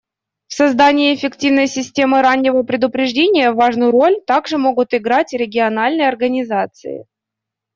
В создании эффективной системы раннего предупреждения важную роль также могут играть региональные организации.